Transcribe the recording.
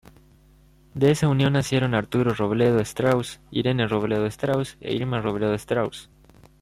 De esa unión nacieron Arturo Robledo Strauss, Irene Robledo Strauss e Irma Robledo Strauss.